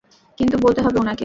কিছু বলতে হবে উনাকে?